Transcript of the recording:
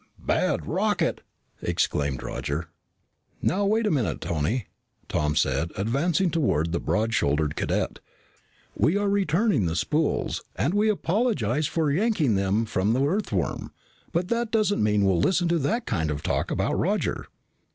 "Bad rocket!" exclaimed Roger. "Now, wait a minute, Tony," Tom said, advancing toward the broad shouldered cadet. "We are returning the spools, and we apologize for yanking them from the Earthworm. But that doesn't mean we'll listen to that kind of talk about Roger."